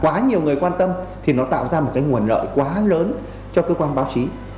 quá nhiều người quan tâm thì nó tạo ra một cái nguồn lợi quá lớn cho cơ quan báo chí